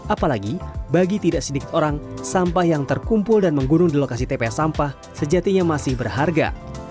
apalagi bagi tidak sedikit orang sampah yang terkumpul dan menggunung di lokasi tpa sampah sejatinya masih berharga